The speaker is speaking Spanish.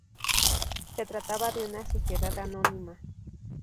Se trataba de una sociedad anónima.